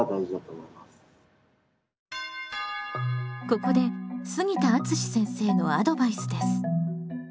ここで杉田敦先生のアドバイスです。